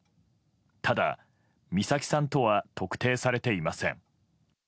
ただ、美咲さんとは特定されていません。